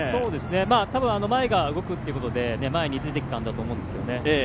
多分、前が動くということで前に出てきたんだと思いますけどね。